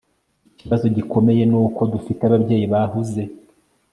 Ikibazo gikomeye ni uko dufite ababyeyi bahuze